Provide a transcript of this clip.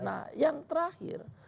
nah yang terakhir